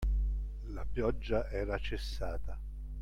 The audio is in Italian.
La pioggia era cessata.